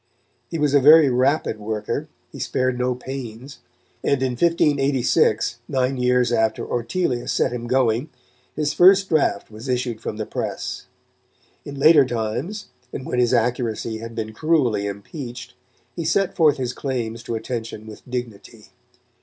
He was a very rapid worker, he spared no pains, and in 1586, nine years after Ortelius set him going, his first draft was issued from the press. In later times, and when his accuracy had been cruelly impeached, he set forth his claims to attention with dignity.